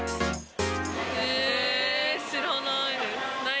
えー、知らない！